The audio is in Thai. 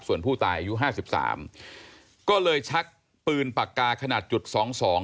ส่วนผู้ตายอายุห้าสิบสามก็เลยชักปืนปากกาขนาดจุดสองสอง